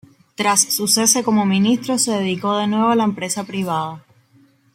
Tras su cese como ministro, se dedicó de nuevo a la empresa privada.